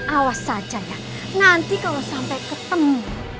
awas saja ya nanti kalau sampai ketemu